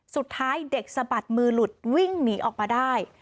สุดท้ายเด็กสะบัดมือหลุดวิ่งหนีออกมาได้